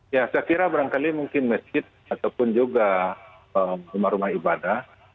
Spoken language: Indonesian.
ya saya kira barangkali mungkin masjid ataupun juga rumah rumah ibadah